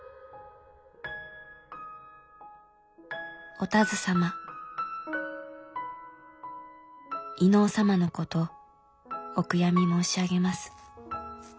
「お田鶴様飯尾様のことお悔やみ申し上げます。